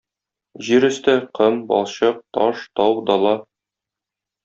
Җир өсте: ком, балчык, таш, тау, дала.